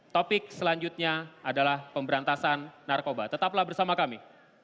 topik selanjutnya adalah pemberantasan narkoba tetaplah bersama kami